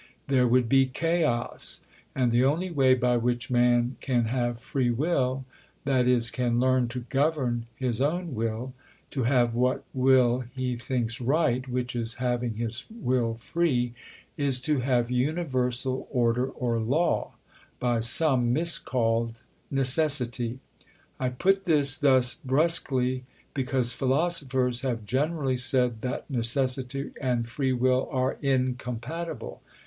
There would be chaos. And the only way by which man can have Free Will, i.e. can learn to govern his own will, to have what will he thinks right (which is having his will free), is to have universal Order or Law (by some miscalled Necessity). I put this thus brusquely because philosophers have generally said that Necessity and Free Will are incompatible.